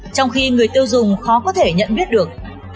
trong khi người tiêu dùng khó có thể nhận biết được